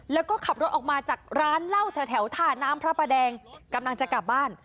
แล้วก็ขับรถออกมาจากร้านเหล้าแถวท่าน้ำพระประแดงกำลังจะกลับบ้าน